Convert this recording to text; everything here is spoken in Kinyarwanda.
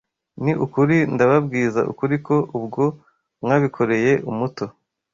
Ni ukuri ndababwiza ukuri ko, ubwo mwabikoreye umuto